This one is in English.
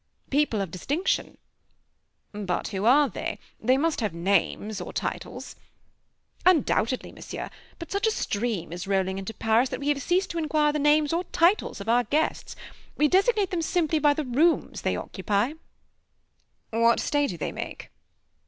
"People of distinction." "But who are they? They must have names or titles." "Undoubtedly, Monsieur, but such a stream is rolling into Paris, that we have ceased to inquire the names or titles of our guests we designate them simply by the rooms they occupy." "What stay do they make?"